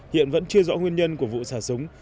hiện vẫn chưa rõ nguyên nhân của vụ xả súng